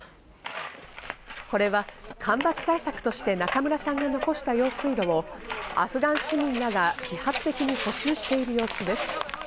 これは干ばつ対策として中村さんが残した用水路をアフガン市民らが自発的に補修している様子です。